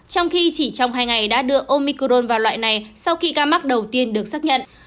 trong khi chỉ trong hai ngày đã đưa omicron vào loại này sau khi ca mắc đầu tiên được xác nhận